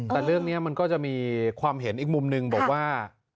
แต่เรื่องนี้มันก็จะมีความเห็นอีกมุมหนึ่งบอกว่า